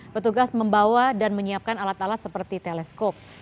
petugas membawa dan menyiapkan alat alat seperti teleskop